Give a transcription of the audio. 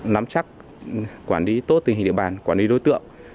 nắm chắc quản lý tốt tình hình địa bàn quản lý đối tượng